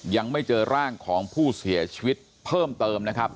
ยังไม่เจอร่างของผู้เสียชีวิตเพิ่มเติมนะครับ